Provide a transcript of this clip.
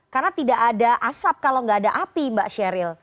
karena tidak ada asap kalau nggak ada api mbak sheryl